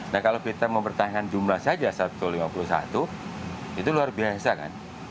nah kalau kita mempertahankan jumlah saja satu ratus lima puluh satu itu luar biasa kan